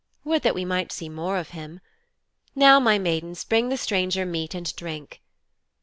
Would that we might see more of him. Now, my maidens, bring the stranger meat and drink.'